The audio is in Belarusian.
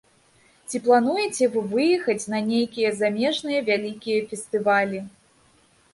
Ці плануеце вы выехаць на нейкія замежныя вялікія фестывалі?